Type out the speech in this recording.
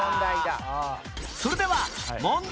それでは問題